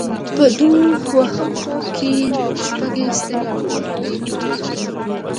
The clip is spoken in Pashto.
په دوهم پوړ کې شپږ ستنې وې.